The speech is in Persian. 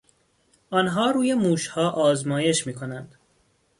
آنها روی موشها آزمایش می کنند.